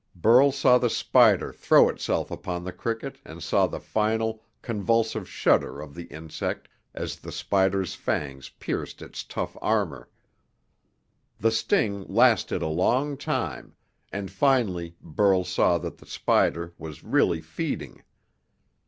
Burl saw the spider throw itself upon the cricket and saw the final, convulsive shudder of the insect as the spider's fangs pierced its tough armour. The sting lasted a long time, and finally Burl saw that the spider was really feeding.